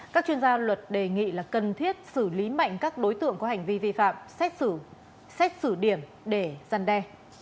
các chuyên gia luật đề nghị là cần thiết xử lý mạnh các đối tượng có hành vi vi phạm xét xử điểm để giăn đe